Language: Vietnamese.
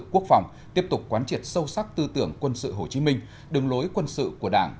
quốc phòng tiếp tục quán triệt sâu sắc tư tưởng quân sự hồ chí minh đường lối quân sự của đảng